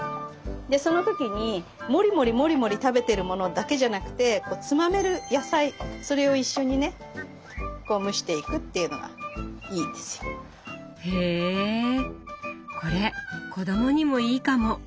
でその時にもりもりもりもり食べてるものだけじゃなくてこうつまめる野菜それを一緒にねこう蒸していくっていうのがいいんですよ。へこれ子供にもいいかも。